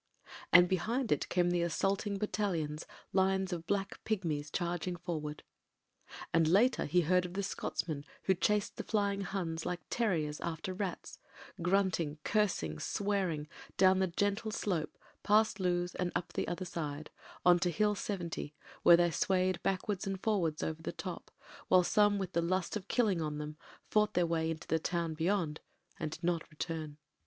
And behind it came the assaulting battalions, lines of black pigmies charging forward. And later he heard of the Scotsmen who chased the flying Huns like terriers after rats, grunting, cursing, swearing, down the gentle slope past Loos and up the other side; on to Hill 70, where they swayed back wards and forwards over the top, while some with the lust of killing on them fought their way into the town beyond — and did not return.